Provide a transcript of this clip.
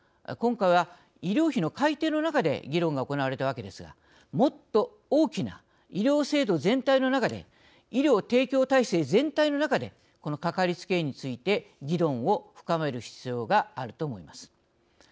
今回は医療費の改定の中で議論が行われたわけですがもっと大きな医療制度全体の中で医療提供体制全体の中でこのかかりつけ医について議論を深める必要があると思います。